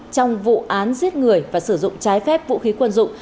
trong vụ án giết người và sử dụng trái phép vũ khí quân dụng